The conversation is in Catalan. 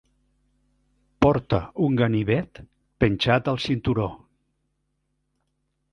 Porta un ganivet penjat al cinturó.